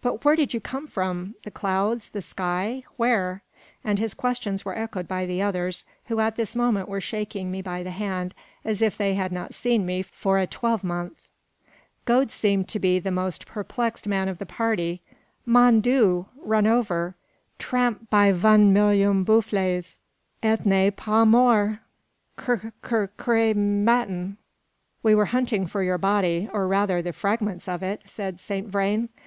"But where did you come from? the clouds? the sky? where?" And his questions were echoed by the others, who at this moment were shaking me by the hand, as if they had not seen me for a twelvemonth. Gode seemed to be the most perplexed man of the party. "Mon Dieu! run over; tramp by von million buffles, et ne pas mort! 'Cr r re matin!" "We were hunting for your body, or rather, the fragments of it," said Saint Vrain.